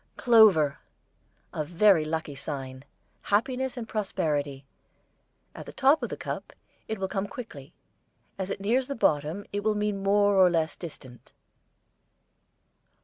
CLOVER, a very lucky sign; happiness and prosperity. At the top of the cup, it will come quickly. As it nears the bottom, it will mean more or less distant.